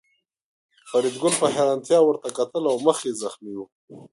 فریدګل په حیرانتیا ورته کتل او مخ یې زخمي و